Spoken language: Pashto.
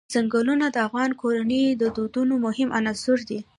ځنګلونه د افغان کورنیو د دودونو مهم عنصر دی.